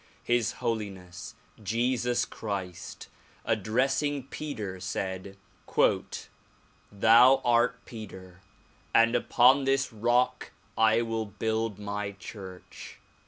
His Holiness Jesus Christ ad dressing Peter, said "Thou art Peter, and upon this rock I will build my church."